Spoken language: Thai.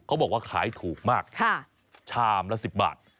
เขาบอกว่าขายถูกมากชามละ๑๐บาท